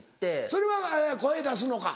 それは声出すのか